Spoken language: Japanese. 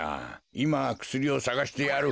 いまくすりをさがしてやる。